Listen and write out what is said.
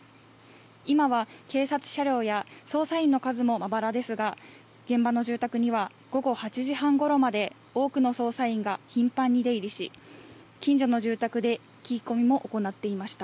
今は警察車両や捜査員の数もまばらですが現場の住宅には午後８時半ごろまで多くの捜査員が頻繁に出入りし近所の住宅で聞き込みも行っていました。